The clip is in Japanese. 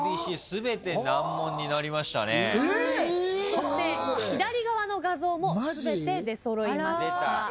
そして左側の画像も全て出揃いました。